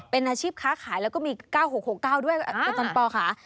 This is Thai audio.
เป็นอาชีพค้าขายแล้วก็มี๙๖๖๙ด้วยหัวตัวตอนปอล์คะ